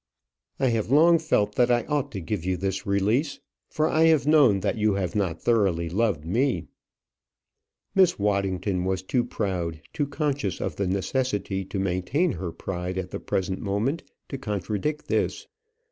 "I have long felt that I ought to give you this release; for I have known that you have not thoroughly loved me." Miss Waddington was too proud, too conscious of the necessity to maintain her pride at the present moment to contradict this.